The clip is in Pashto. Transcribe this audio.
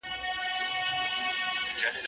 اوس د زلمیو هوسونو جنازه ووته